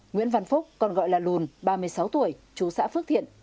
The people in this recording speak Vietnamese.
nguyễn văn phúc còn gọi là lùn ba mươi sáu tuổi chú xã phước thiện